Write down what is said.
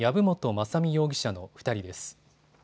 雅巳容疑者の２人です。